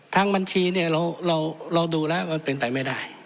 ทางบัญชีเราดูแล้วเป็นไปไม่ได้